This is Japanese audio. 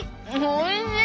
おいしい！